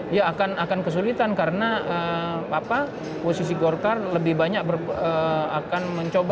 dia akan kesulitan karena posisi golkar lebih banyak akan mencoba